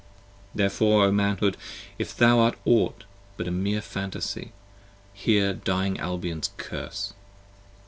Therefore O Manhood, if thou art aught But a meer Phantasy, hear dying Albion's Curse!